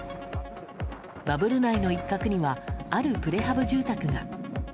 バブル内の一角にはあるプレハブ住宅が。